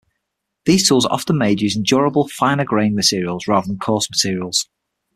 These tools are often made using durable finer-grained materials rather than coarse materials.